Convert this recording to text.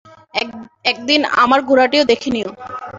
একদিন আমার ঘোড়াটি দেখে নিও।